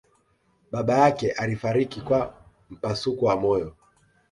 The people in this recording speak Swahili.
baba yake alifariki kwa mpasuko wa moyo